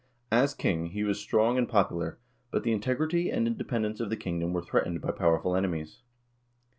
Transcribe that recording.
As king he was strong and popular, but the integrity and independence of the kingdom were threatened by powerful enemies.